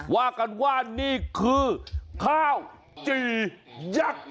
ว่ากันว่านี่คือข้าวจี่ยักษ์